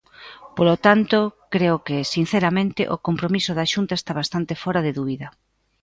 Polo tanto, creo que, sinceramente, o compromiso da Xunta está bastante fóra de dúbida.